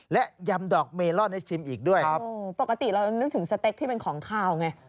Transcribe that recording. และยำดอกเมลอนให้ชิมอีกด้วยครับโอ้ปกติเรานึกถึงสเต็กที่เป็นของขาวไง